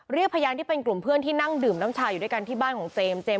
เรียกพยานที่เป็นกลุ่มเพื่อนที่นั่งดื่มน้ำชาอยู่ด้วยกันที่บ้านของเจมส์เจมส